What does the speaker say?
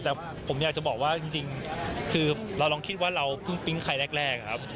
แต่ผมอยากจะบอกว่าจริงคือเราลองคิดว่าเราเพิ่งปิ๊งใครแรกครับ